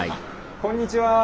こんにちは。